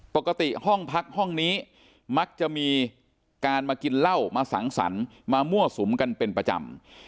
ปกติห้องพักห้องนี้มักจะมีการมากินเหล้ามาสังสรรค์มามั่วสุมกันเป็นประจำ